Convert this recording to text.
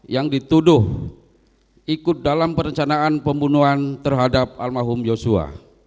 yang dituduh ikut dalam perencanaan pembunuhan terhadap almarhum yosua